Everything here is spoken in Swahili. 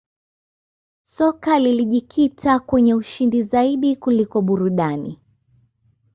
soka lilijikita kwenye ushindi zaidi kuliko burudani